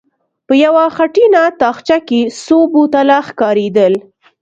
په يوه خټينه تاخچه کې څو بوتله ښکارېدل.